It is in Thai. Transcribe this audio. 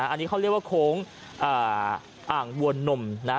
อันนี้เขาเรียกว่าโค้งอ่างวนนมนะ